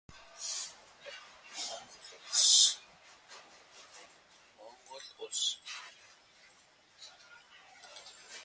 He refused to accept apostasy.